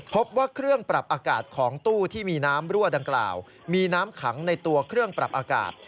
พบว่าเครื่องปรับอากาศของตู้ที่มีน้ำรั่วดังกล่าวมีน้ำขังในตัวเครื่องปรับอากาศ